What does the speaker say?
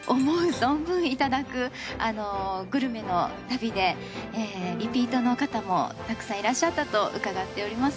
存分いただくグルメの旅でリピートの方もたくさんいらっしゃったと伺っております。